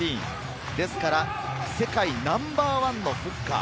ですから世界ナンバーワンのフッカー。